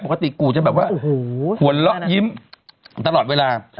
ปกติกูจะแบบว่าหวนละยิ้มตลอดเวลา